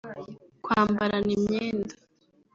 kwambarana imyenda